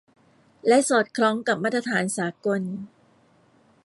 และสอดคล้องกับมาตรฐานสากล